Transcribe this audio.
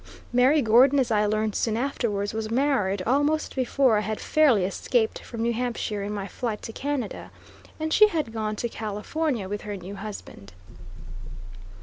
Mary Gordon, as I learned soon afterwards, was married almost before I had fairly escaped from New Hampshire in my flight to Canada, and she had gone to California with her new husband.